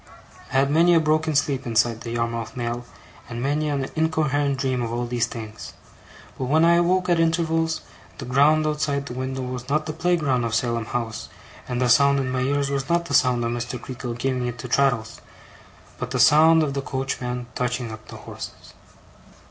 I had many a broken sleep inside the Yarmouth mail, and many an incoherent dream of all these things. But when I awoke at intervals, the ground outside the window was not the playground of Salem House, and the sound in my ears was not the sound of Mr. Creakle giving it to Traddles, but the sound of the coachman touching up the horses.